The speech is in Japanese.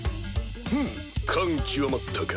ふむ感極まったか。